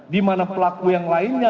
dimana pelaku yang lainnya